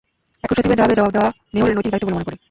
এখন সচিবের জবাবের জবাব দেওয়া মেয়রের নৈতিক দায়িত্ব বলে মনে করি।